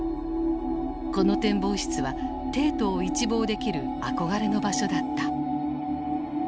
この展望室は帝都を一望できる憧れの場所だった。